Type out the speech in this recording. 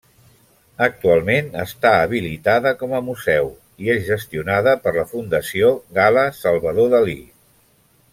Actualment està habilitada com a museu i és gestionada per la Fundació Gala-Salvador Dalí.